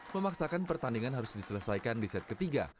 memaksakan pertandingan harus diselesaikan di set ketiga